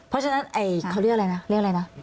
เพราะฉะนั้นเนี่ยเขาเรียกอะไรนะ